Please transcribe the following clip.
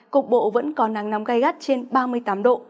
cục bộ vẫn có nắng nóng gai gắt trên ba mươi tám độ